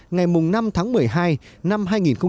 ngày năm tháng một mươi hai năm hai nghìn một mươi chín